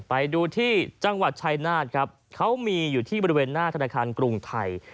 ไปดูที่จังหวัดชายนาฏครับเขามีอยู่ที่บริเวณหน้าธนาคารกรุงไทย